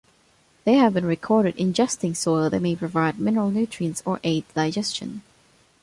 They have been recorded ingesting soil that may provide mineral nutrients or aid digestion.